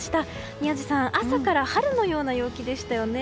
宮司さん朝から春のような陽気でしたよね。